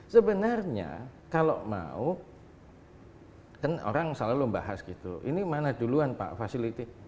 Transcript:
sebenarnya kalau mau kan orang selalu membahas gitu ini mana duluan pak facility